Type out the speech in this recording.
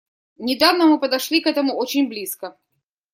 Недавно мы подошли к этому очень близко.